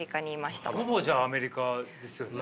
ほぼじゃあアメリカですよね。